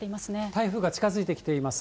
台風が近づいてきています。